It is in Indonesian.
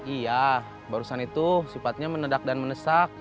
iya barusan itu sifatnya menedak dan menesak